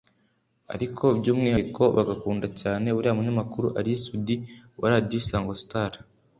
ariko by’umwihariko bagakunda cyane uriya munyamakuru Ally Soudy wa Radio Isango Star